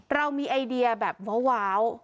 เรามีไอเดียแบบว้าว